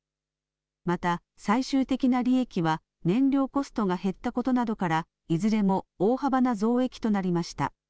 また最終的な利益は燃料コストが減ったことなどからいずれも大幅な増益となりました。